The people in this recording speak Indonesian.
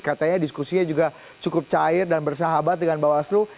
katanya diskusinya juga cukup cair dan bersahabat dengan bawaslu